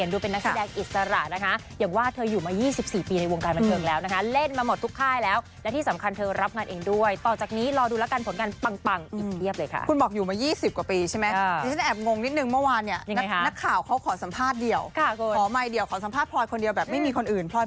อันนี้ก็อาจจะเป็นเรื่องราวดีเพราะว่าเหมือนย้ายบ้านใหม่หรือเปล่า